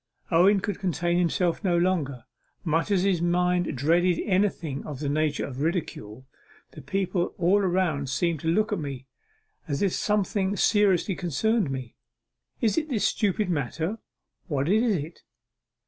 Owen could contain himself no longer, much as his mind dreaded anything of the nature of ridicule. 'The people all seem to look at me, as if something seriously concerned me; is it this stupid matter, or what is it?